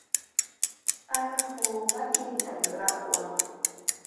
Allquu matintam llaqwan.